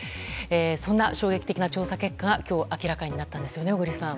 そんな衝撃的な調査結果が今日、明らかになったんですよね。